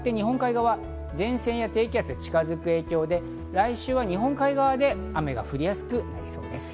変わって日本海側、前線や低気圧が近づく影響で、来週は日本海側で雨が降りやすくなりそうです。